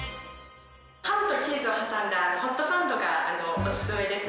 ハムをチーズを挟んだホットサンドがお勧めです。